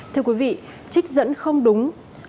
thưa quý vị trích dẫn không đúng